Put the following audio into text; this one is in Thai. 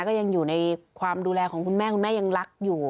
ก็ยังอยู่ในความดูแลของคุณแม่คุณแม่ยังรักอยู่